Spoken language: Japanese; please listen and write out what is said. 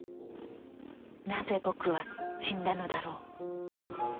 なぜ「ぼく」は死んだのだろう。